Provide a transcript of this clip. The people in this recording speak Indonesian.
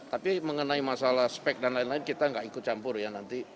tapi mengenai masalah spek dan lain lain kita nggak ikut campur ya nanti